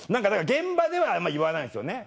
現場ではあんま言わないんですよね。